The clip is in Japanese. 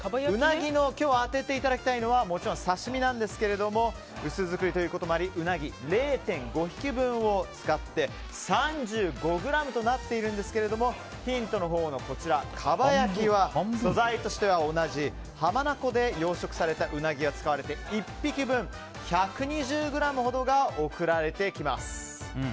今日当てていただきたいのは刺身なんですが薄造りということもありうなぎ０．５匹分を使って、３５ｇとなっていますがヒントのほうの蒲焼は素材としては同じ浜名湖で養殖されたうなぎが使われて１匹分１２０ｇほどが送られてきます。